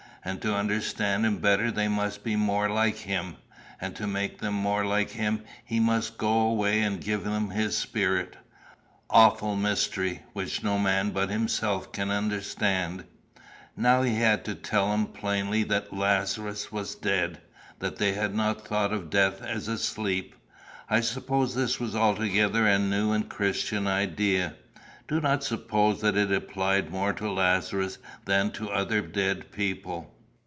And to understand him better they must be more like him; and to make them more like him he must go away and give them his spirit awful mystery which no man but himself can understand. "Now he had to tell them plainly that Lazarus was dead. They had not thought of death as a sleep. I suppose this was altogether a new and Christian idea. Do not suppose that it applied more to Lazarus than to other dead people.